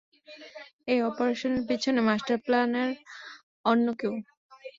এই অপারেশনের পিছনে মাস্টার প্ল্যানার অন্য কেউ।